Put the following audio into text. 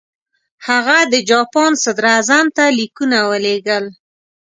هغه د جاپان صدراعظم ته لیکونه ولېږل.